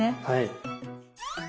はい。